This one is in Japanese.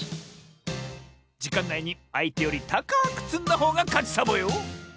じかんないにあいてよりたかくつんだほうがかちサボよ！